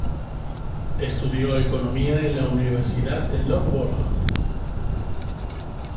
Estudió economía en la Universidad de Loughborough.